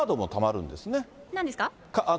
なんですか？